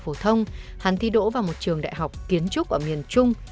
phổ thông hắn thi đỗ vào một trường đại học kiến trúc ở miền trung